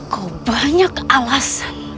kau banyak alasan